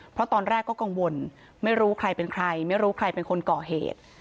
เพราะตอนแรกก็กังวลไม่รู้ใครเป็นใครไม่รู้ใครเป็นคนก่อเหตุ